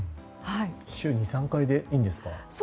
週２３回でいいんですか？